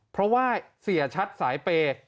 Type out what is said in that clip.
เพราะว่าเสียชัดสายเปย์